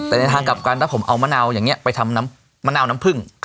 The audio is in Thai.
แต่ในทางกลับกันถ้าผมเอามะนาวอย่างนี้ไปทำน้ำมะนาวน้ำผึ้ง